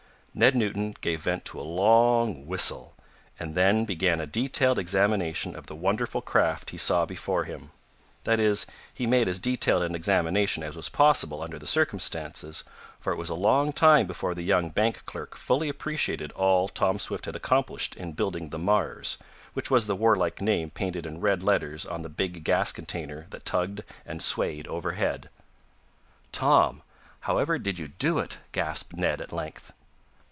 Ned Newton gave vent to a long whistle, and then began a detailed examination of the wonderful craft he saw before him. That is, he made as detailed an examination as was possible under the circumstances, for it was a long time before the young bank clerk fully appreciated all Tom Swift had accomplished in building the Mars, which was the warlike name painted in red letters on the big gas container that tugged and swayed overhead. "Tom, however did you do it?" gasped Ned at length.